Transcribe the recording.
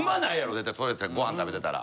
絶対そうやってご飯食べてたら。